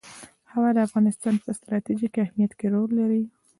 هوا د افغانستان په ستراتیژیک اهمیت کې رول لري.